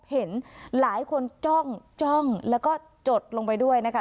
เห็นหลายคนจ้องจ้องแล้วก็จดลงไปด้วยนะคะ